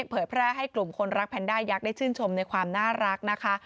เผยแพร่ให้กลุ่มคนรักแพนด้ายักษ์ได้ชื่นชมในความน่ารักนะคะ